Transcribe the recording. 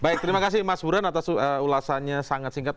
baik terima kasih mas buran atas ulasannya sangat singkat